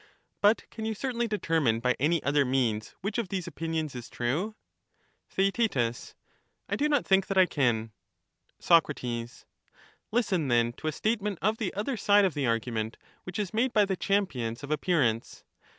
But can you certainly determine by any other means which of these opinions is true? Theaet, I do not think that I can. Soc, Listen, then, to a statement of the other side of the argument, which is made by the champions of appearance.